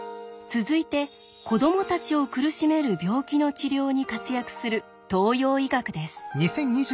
続いて子どもたちを苦しめる病気の治療に活躍する東洋医学です。